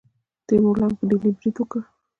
تیمور لنګ په ډیلي برید وکړ.